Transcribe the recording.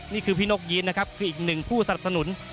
นี่คือพี่นกยีนนะครับคืออีกหนึ่งผู้สนับสนุน